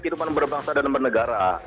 kehidupan berbangsa dan bernegara